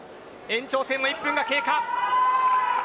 延長戦も１分が経過。